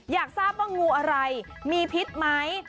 อยากทราบว่างูอะไรมีพิษไหม